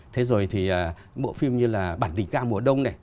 thế rồi thì bộ phim như là bản tình ca mùa đông này